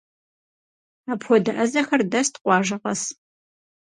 Апхуэдэ ӏэзэхэр дэст къуажэ къэс.